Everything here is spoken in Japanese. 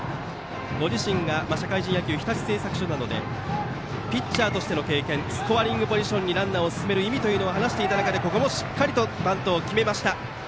ご自身が社会人野球日立製作所などでピッチャーとしての経験でスコアリングポジションにランナーを進める意味を話していた中でここもしっかりバントを決めてきた。